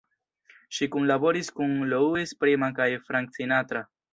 Ŝi kunlaboris kun Louis Prima kaj Frank Sinatra.